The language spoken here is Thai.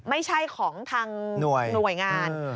ไม่ใช่ของทางหน่วยงาน